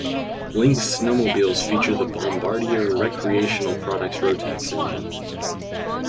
Lynx snowmobiles feature the Bombardier Recreational Products Rotax engine.